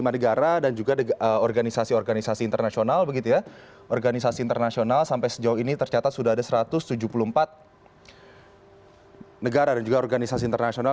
lima negara dan juga organisasi organisasi internasional begitu ya organisasi internasional sampai sejauh ini tercatat sudah ada satu ratus tujuh puluh empat negara dan juga organisasi internasional